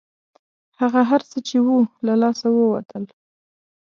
هغه هر څه چې وو له لاسه ووتل.